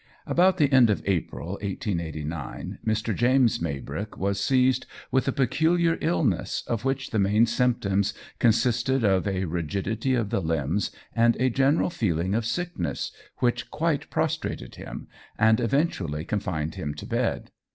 About the end of April, 1889, Mr. James Maybrick was seized with a peculiar illness, of which the main symptoms consisted of a rigidity of the limbs and a general feeling of sickness, which quite prostrated him, and eventually confined him to bed.